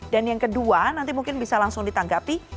dan yang kedua nanti mungkin bisa langsung ditanggapi